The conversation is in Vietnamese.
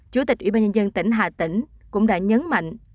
chủ tịch ủy ban nhân dân tỉnh hà tĩnh cũng đã nhấn mạnh